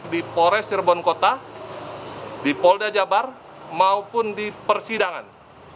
di polres sirbonkota di polda jabar maupun di persidangan